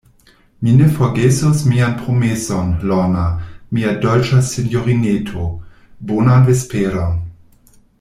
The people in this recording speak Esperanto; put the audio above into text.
Mi ne forgesos mian promeson, Lorna, mia dolĉa sinjorineto; bonan vesperon.